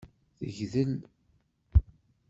Tegdel.